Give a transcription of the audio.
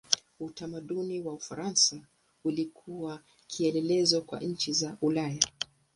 Utamaduni wa Ufaransa ulikuwa kielelezo kwa nchi za Ulaya.